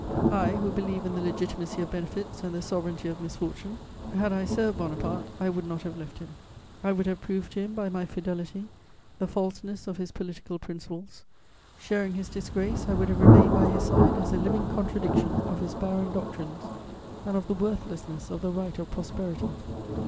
I, who believe in the legitimacy of benefits and the sovereignty of misfortune, had I served Bonaparte, I would not have left him; I would have proved to him, by my fidelity, the falseness of his political principles; sharing his disgrace, I would have remained by his side as a living contradiction of his barren doctrines and of the worthlessness of the right of prosperity.